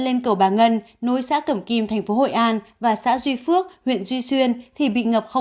lên cầu bà ngân nối xã cẩm kim thành phố hội an và xã duy phước huyện duy xuyên thì bị ngập không